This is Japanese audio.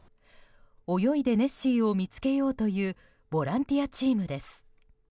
泳いでネッシーを見つけようというボランティアチームです。